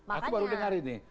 aku baru dengar ini